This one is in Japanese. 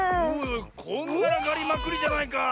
こんがらがりまくりじゃないかあ。